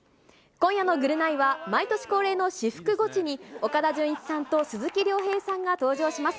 今夜のぐるナイは、毎年恒例の私服ゴチに、岡田准一さんと鈴木亮平さんが登場します。